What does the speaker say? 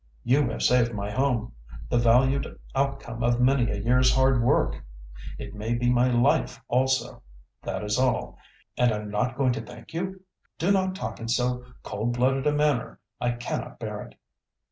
"You have saved my home, the valued outcome of many a year's hard work—it may be my life also. That is all. And I'm not to thank you? Do not talk in so cold blooded a manner; I cannot bear it."